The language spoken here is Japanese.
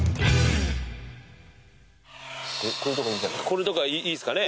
これとかいいですかね？